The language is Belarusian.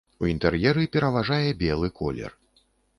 У інтэр'еры пераважае белы колер.